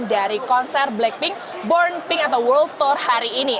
dari konser blackpink born pink atau world tour hari ini